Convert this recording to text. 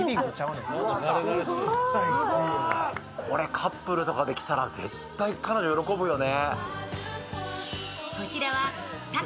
カップルとかで来たら絶対彼女、喜ぶよね。